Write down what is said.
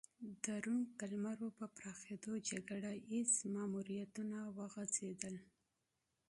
د روم قلمرو په پراخېدو جګړه ییز ماموریتونه وغځېدل